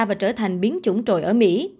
và trở thành biến chủng trội ở mỹ